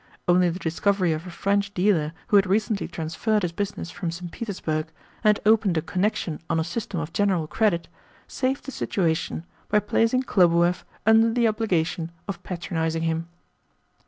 Only the discovery of a French dealer who had recently transferred his business from St. Petersburg, and opened a connection on a system of general credit, saved the situation by placing Khlobuev under the obligation of patronising him.